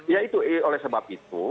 ya itu oleh sebab itu